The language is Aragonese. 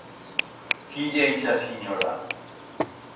Quí ye ixa sinyora?